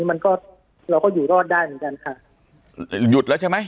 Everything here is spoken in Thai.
ปากกับภาคภูมิ